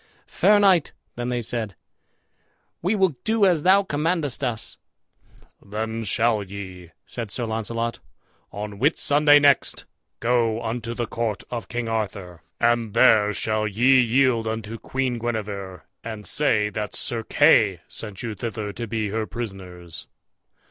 "Fair knight," then they said, "we will do as thou commandest us." "Then shall ye," said Sir Launcelot, "on Whitsunday next, go unto the court of King Arthur, and there shall ye yield you unto Queen Guenever, and say that Sir Kay sent you thither to be her prisoners."